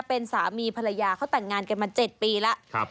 เป็นสามีภรรยาเขาแต่งงานกันมา๗ปีแล้ว